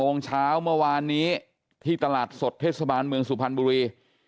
๗วันเช้าเมื่อวานนั้นที่ตลาดสดเทศบาลบรรยาชิตม์สูพันธ์บุรี